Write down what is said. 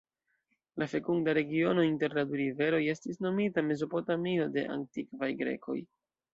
La fekunda regiono inter la du riveroj estis nomita Mezopotamio de antikvaj Grekoj.